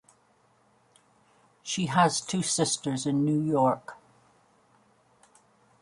She has two sisters in New York.